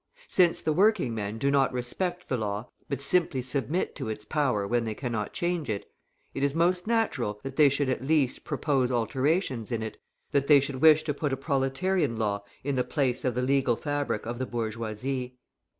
Since the working men do not respect the law, but simply submit to its power when they cannot change it, it is most natural that they should at least propose alterations in it, that they should wish to put a proletarian law in the place of the legal fabric of the bourgeoisie.